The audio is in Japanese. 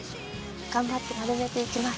頑張って丸めていきます。